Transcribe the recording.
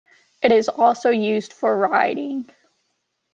It is also used for writing.